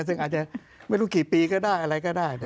ซึ่งอาจจะไม่รู้กี่ปีก็ได้อะไรก็ได้